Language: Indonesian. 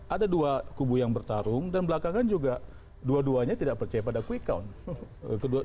ada dua kubu yang bertarung dan belakangan juga dua duanya tidak percaya pada quick count